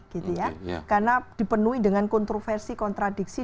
karena dipenuhi dengan kontroversi kontradiksi